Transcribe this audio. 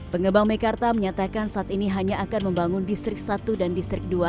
pengembang mekarta menyatakan saat ini hanya akan membangun distrik satu dan distrik dua